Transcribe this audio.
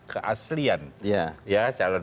keaslian ya calon